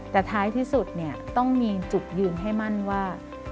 แต่ท้ายที่สุดเนี่ยต้องมีจุดยืนให้มั่นว่า